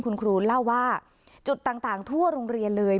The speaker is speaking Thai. คุณครูเล่าว่าจุดต่างทั่วโรงเรียนเลย